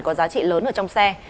có giá trị lớn ở trong xe